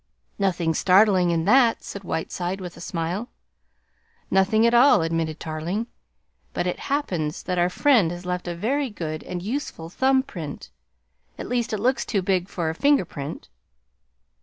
"Nothing startling in that," said Whiteside with a smile. "Nothing at all," admitted Tarling. "But it happens that our friend has left a very good and useful thumb print. At least, it looks too big for a finger print."